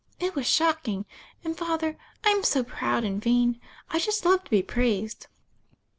It was shocking; and, Father, I'm so proud and vain. I just love to be praised."